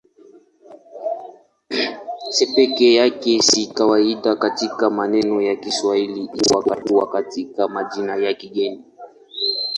C peke yake si kawaida katika maneno ya Kiswahili isipokuwa katika majina ya kigeni.